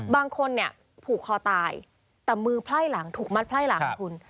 บางคนเนี่ยผูกคอตายแต่มือพล่ายหลังถูกมัดพล่ายหลังกับคุณ